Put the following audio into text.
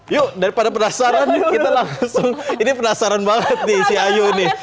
yuk daripada penasaran yuk kita langsung ini penasaran banget nih si ayu nih